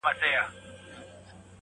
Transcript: • حقيقت له کيسې نه لوی دی,